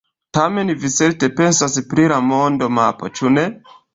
Tamen vi certe pensas pri la monda mapo, ĉu ne?